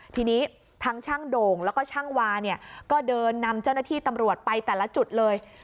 ทีนี้ทั้งช่างโด่งแล้วก็ช่างวาเนี่ยก็เดินนำเจ้าหน้าที่ตำรวจไปแต่ละจุดเลย